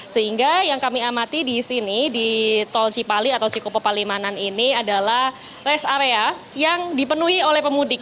sehingga yang kami amati di sini di tol cipali atau cikupalimanan ini adalah rest area yang dipenuhi oleh pemudik